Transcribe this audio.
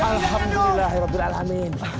alhamdulillah ya allah beralamin